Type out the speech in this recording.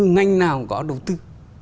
ngành nào cũng có đầu tư